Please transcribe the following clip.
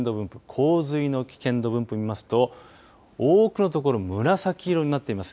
洪水の危険度分布、見ますと多くの所、紫色になっています。